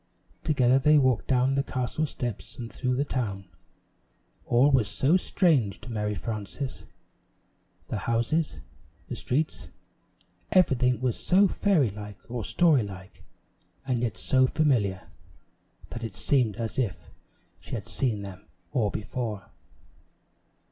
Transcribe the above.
Together they walked down the castle steps and through the town. All was so strange to Mary Frances; the houses, the streets everything was so fairy like or story like, and yet so familiar, that it seemed as if she had seen them all before.